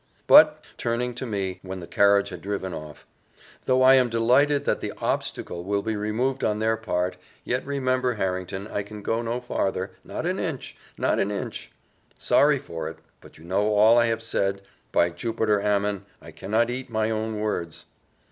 "But," turning to me, when the carriage had driven off, "though I am delighted that the obstacle will be removed on their part, yet remember, Harrington, I can go no farther not an inch not an inch: sorry for it but you know all I have said by Jupiter Ammon, I cannot eat my own words!"